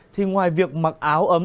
thì ngoài việc mặc áo ấm